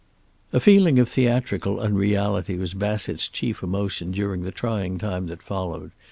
A feeling of theatrical unreality was Bassett's chief emotion during the trying time that followed.